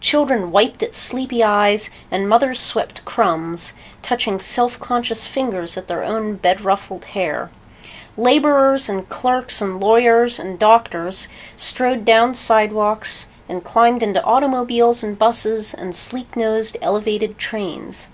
Children wiped at sleepy eyes and mothers swept crumbs, touching self conscious fingers at their own bed ruffled hair. Laborers and clerks and lawyers and doctors strode down sidewalks and climbed into automobiles and busses and sleek nosed elevated trains.